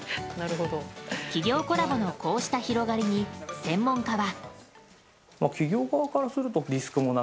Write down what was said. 企業コラボのこうした広がりに専門家は。